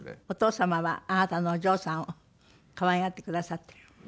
お父様はあなたのお嬢さんを可愛がってくださってる？